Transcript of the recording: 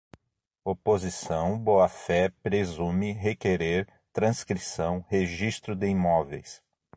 oposição, boa-fé, presume, requerer, transcrição, registro de imóveis